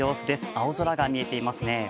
青空が見えていますね。